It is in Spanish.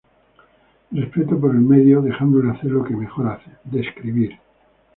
Respeto por el medio, dejándole hacer lo que mejor hace, describir.